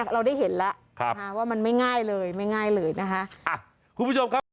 เราได้เห็นแล้วว่ามันไม่ง่ายเลยไม่ง่ายเลยนะคะ